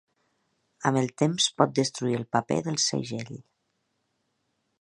Amb el temps pot destruir el paper del segell.